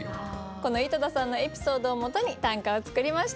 この井戸田さんのエピソードをもとに短歌を作りました。